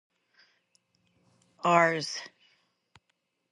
Rs.